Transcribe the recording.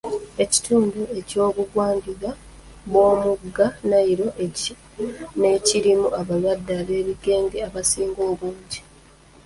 Ekitundu ky'obugwanjuba bw'omugga Nile ky'ekirimu abalwadde b'ebigenge abasinga obungi.